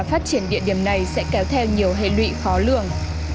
phát triển địa điểm này sẽ kéo theo nhiều hệ lụy khó lường